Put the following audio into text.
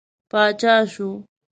پاچا شو.